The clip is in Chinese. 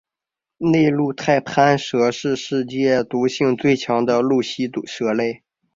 内陆太攀蛇是世界毒性最强的陆栖蛇类。